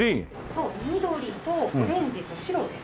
そう緑とオレンジと白ですね。